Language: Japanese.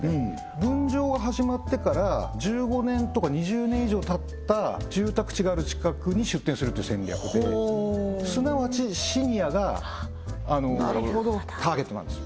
分譲が始まってから１５年とか２０年以上たった住宅地がある近くに出店するって戦略ですなわちシニアがターゲットなんですよ